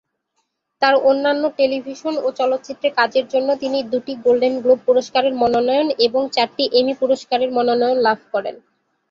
তার অন্যান্য টেলিভিশন ও চলচ্চিত্রে কাজের জন্য তিনি দুটি গোল্ডেন গ্লোব পুরস্কারের মনোনয়ন এবং চারটি এমি পুরস্কারের মনোনয়ন লাভ করেন।